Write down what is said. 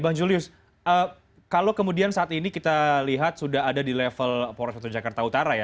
bang julius kalau kemudian saat ini kita lihat sudah ada di level polres atau jakarta utara ya